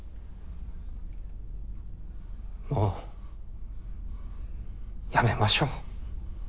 もうやめましょう。